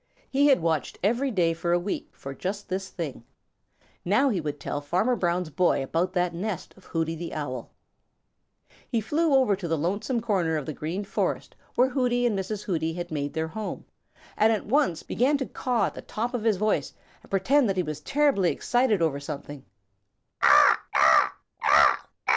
He had watched every day for a week for just this thing. Now he would tell Farmer Brown's boy about that nest of Hooty the Owl. He flew over to the lonesome corner of the Green Forest where Hooty and Mrs. Hooty had made their home and at once began to caw at the top of his voice and pretend that he was terribly excited over something.